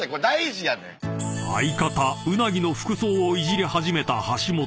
［相方鰻の服装をいじり始めた橋本］